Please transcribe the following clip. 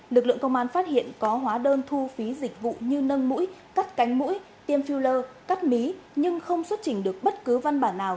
lực lượng công an phát hiện có hóa đơn thu phí dịch vụ như nâng mũi cắt cánh mũi tiêm filler cắt mí nhưng không xuất trình được bất cứ văn bản nào